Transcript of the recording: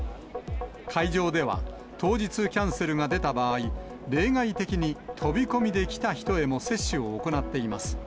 会場では、当日キャンセルが出た場合、例外的に飛び込みで来た人へも接種を行っています。